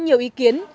có nhiều ý kiến